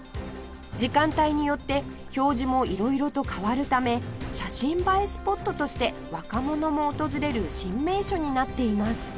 時間帯によって表示も色々と変わるため写真映えスポットとして若者も訪れる新名所になっています